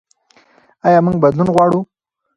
ایا موږ بدلون غواړو؟